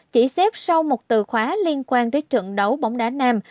chỉ xếp sau một từ khóa liên quan tới trận đấu bóng đá nam